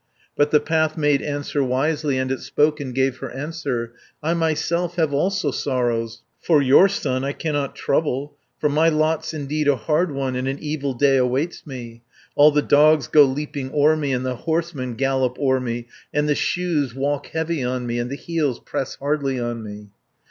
But the path made answer wisely, And it spoke and gave her answer: 150 "I myself have also sorrows, For your son I cannot trouble, For my lot's indeed a hard one, And an evil day awaits me. All the dogs go leaping o'er me, And the horsemen gallop o'er me, And the shoes walk heavy on me, And the heels press hardly on me."